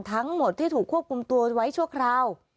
ทั้งหมดที่ถูกควบคุมตัวไว้ชั่วคราว